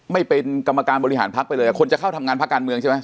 ไม่เป็นกรรมการบริหารพักไปเลยคนจะเข้าทำงานพักการเมืองใช่ไหม